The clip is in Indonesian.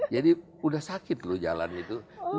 jadi udah sakit loh jalan itu